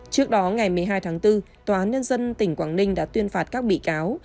trước đó ngày một mươi hai tháng bốn tòa án nhân dân tỉnh quảng ninh đã tuyên phạt các bị cáo